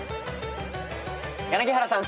柳原さん